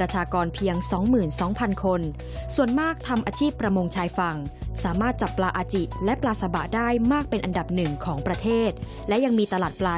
เดี๋ยวตามพร้อมกันจากรายงานครับ